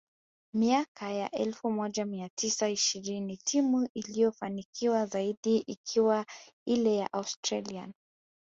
miaka ya elfu moja mia tisa ishirini timu iliyofanikiwa zaidi ikiwa ile ya Austrian